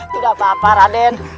tidak apa apa raden